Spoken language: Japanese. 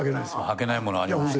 負けないものあります。